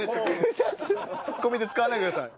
ツッコミで使わないでください。